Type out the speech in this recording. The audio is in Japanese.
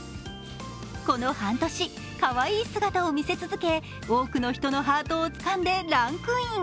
この半年、かわいい姿を見せ続け、多くの人のハートをつかんでランクイン。